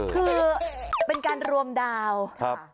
คือเป็นการรวมดาวครับ